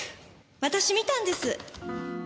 私見たんです。